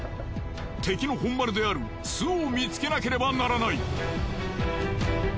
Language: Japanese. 敵の本丸である巣を見つけなければならない。